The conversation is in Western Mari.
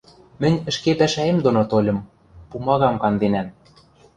Мӹнь ӹшке пӓшӓэм доно тольым... пумагам канденӓм...